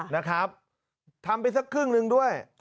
นะครับทำไปสักครึ่งหนึ่งด้วย